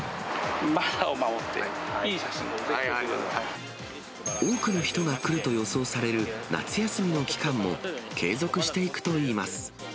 マナーを守って、いい写真を撮っ多くの人が来ると予想される夏休みの期間も、継続していくといいます。